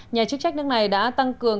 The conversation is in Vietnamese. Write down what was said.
nhà chức trách nước này đã tăng cường